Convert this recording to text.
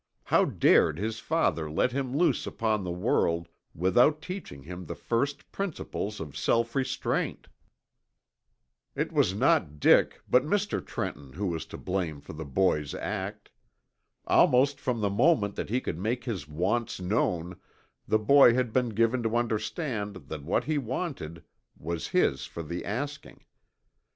How dared his father let him loose upon the world without teaching him the first principles of self restraint? It was not Dick but Mr. Trenton who was to blame for the boy's act. Almost from the moment that he could make his wants known the boy had been given to understand that what he wanted was his for the asking.